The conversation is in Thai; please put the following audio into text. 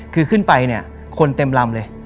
คือขึ้นไปคนเต็มลำเลย